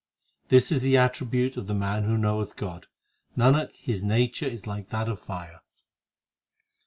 This is the attribute of the man who knoweth God ; Nanak, his nature is like that of fire.